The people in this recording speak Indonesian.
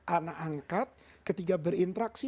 anak angkat ketika berinteraksi